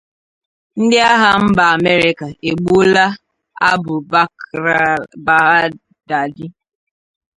Ndị Agha Mba Amerịka Egbuola Abu Bakr al-Baghdadi